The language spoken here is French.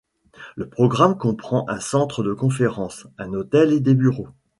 Le programme comprend un centre de conférences, un hôtel et des bureaux.